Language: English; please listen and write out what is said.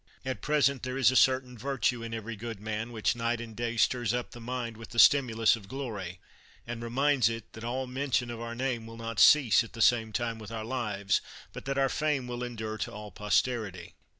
At present there is a certain virtue in every good man, which night and day stirs up the mind with the stim ulus of glory, and reminds it that all mention of our name will not cease at the same time with our lives, but that our fame will endure to all posterity.